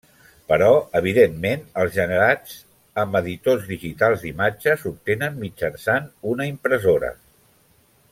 Però evidentment els generats amb editors digitals d'imatge s'obtenen mitjançant una impressora.